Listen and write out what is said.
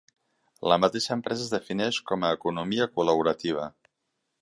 La mateixa empresa es defineix com a ‘economia col·laborativa’.